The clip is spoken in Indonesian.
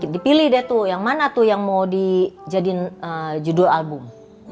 dipilih deh tuh yang mana tuh yang mau dijadikan judul album